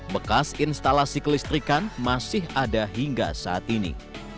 bekas instalasi kelistrikan masih ada hingga saat ini